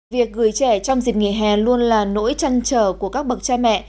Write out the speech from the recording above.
việc gửi trẻ trong dịp nghỉ hè luôn là nỗi trăn trở của các bậc cha mẹ